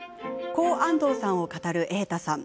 こう安藤さんを語る瑛太さん。